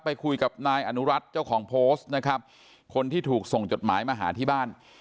ไปคุยกับนายอนุรัติเจ้าของโพสต์นะครับคนที่ถูกส่งจดหมายมาหาที่บ้าน